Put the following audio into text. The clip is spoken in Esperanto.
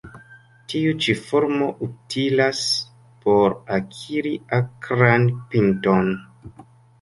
Tiu ĉi formo utilas por akiri akran pinton.